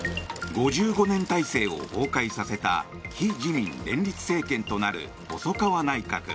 ５５年体制を崩壊させた非自民連立政権となる細川内閣。